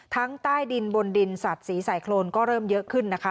ใต้ดินบนดินสัตว์สีสายโครนก็เริ่มเยอะขึ้นนะคะ